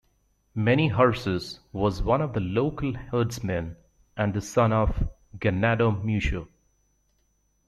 Many Horses was one of the local herdsmen and the son of Ganado Mucho.